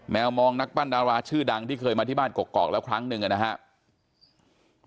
มองนักปั้นดาราชื่อดังที่เคยมาที่บ้านกอกแล้วครั้งหนึ่งนะครับ